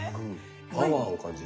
パワーを感じる。